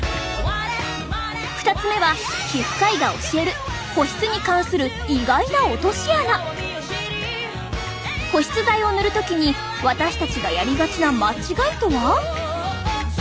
２つ目は保湿剤を塗る時に私たちがやりがちな間違いとは？